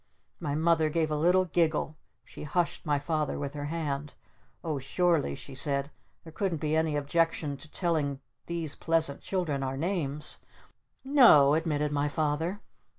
'" My Mother gave a little giggle. She hushed my Father with her hand. "Oh surely," she said, "there couldn't be any objection to telling these pleasant children our names?" "No o," admitted my Father.